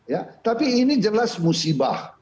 ya tapi ini jelas musibah